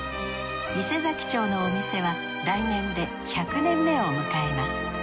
伊勢佐木町のお店は来年で１００年目を迎えます。